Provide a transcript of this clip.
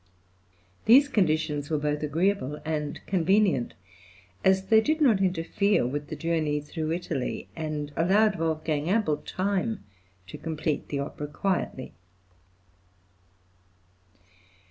These conditions were both agreeable and convenient, as they did not interfere with the journey through Italy, and allowed Wolfgang ample time to complete the opera quietly.